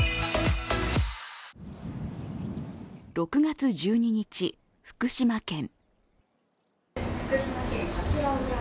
６月１２日、福島県。